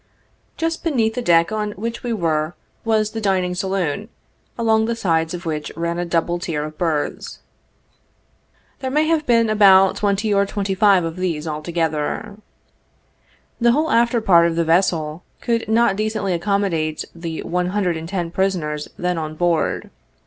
Just beneath the deck on which we were was the dining saloon, along the sides of which ran a double tier of berths. There may have been about twenty or twenty five of these altogether. The whole after part of the vessel could not decently accommodate the one hundred and ten prisoners then on board.